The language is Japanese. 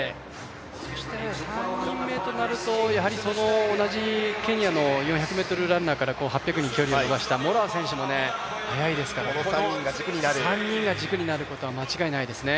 そして３人目となると同じケニアの４００ランナーから８００に伸ばしたモラア選手も速いですから、この３人が軸になることは間違いないですね。